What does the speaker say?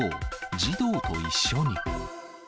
児童と一緒に。